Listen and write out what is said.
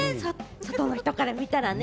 外の人から見たらね。